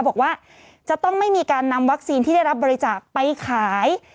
บอกว่าจะต้องไม่มีการนำวัคซีนที่ได้รับบริจาคไปขาย